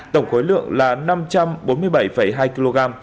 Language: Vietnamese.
tổng khối lượng là năm trăm bốn mươi bảy hai kg